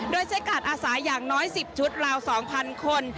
โดยใช้การอาสาอย่างน้อย๑๐ชุดราว๒๐๐คน